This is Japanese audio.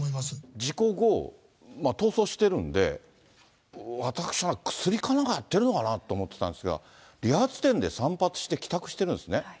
事故後、逃走してるんで、私は薬かなんかやってるのかなと思ってたんですが、理髪店で散髪して帰宅してるんですね。